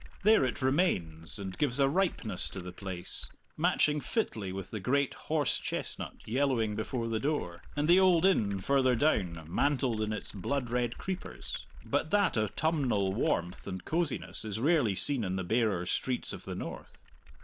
There it remains and gives a ripeness to the place, matching fitly with the great horse chestnut yellowing before the door, and the old inn further down, mantled in its blood red creepers. But that autumnal warmth and cosiness is rarely seen in the barer streets of the north.